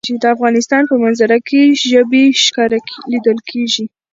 د افغانستان په منظره کې ژبې ښکاره لیدل کېږي.